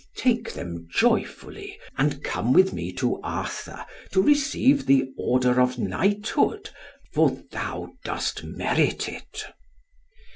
Take them joyfully, and come with me to Arthur, to receive the order of knighthood, for thou dost merit it."